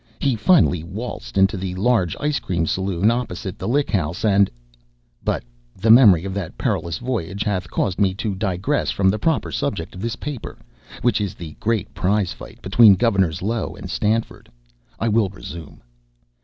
He finally waltzed into the large ice cream saloon opposite the Lick House, and But the memory of that perilous voyage hath caused me to digress from the proper subject of this paper, which is the great prize fight between Governors Low and Stanford. I will resume.